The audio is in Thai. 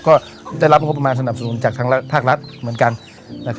ก็ได้รับงบประมาณสนับสนุนจากทางภาครัฐเหมือนกัน